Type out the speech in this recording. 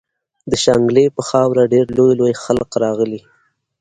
د شانګلې پۀ خاوره ډېر لوئ لوئ خلق راغلي